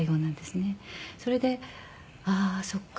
それで「ああそっか。